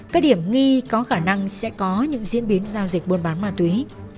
các điểm nghi có khả năng sẽ có những diễn biến giao dịch buôn bán ma túy